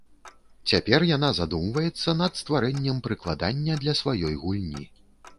Цяпер яна задумваецца над стварэннем прыкладання для сваёй гульні.